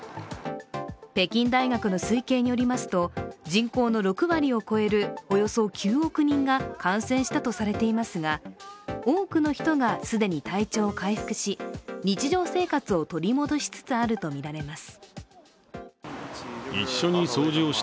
北京大学の推計によりますと人口の６割を超えるおよそ９億人が感染したとされていますが多くの人が既に体調を回復し、日常生活を取り戻しつつあるとみられます。